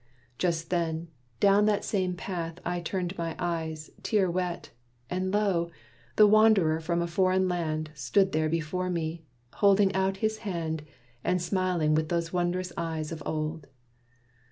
Just then Down that same path I turned my eyes, tear wet, And lo! the wanderer from a foreign land Stood there before me! holding out his hand And smiling with those wond'rous eyes of old.